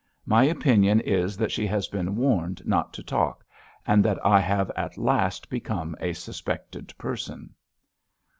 My opinion is that she has been warned not to talk, and that I have at last become a suspected person!"